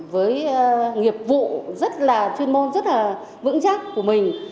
với nghiệp vụ rất là chuyên môn rất là vững chắc của mình